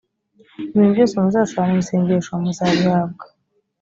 ibintu byose muzasaba mu isengesho muzabihabwa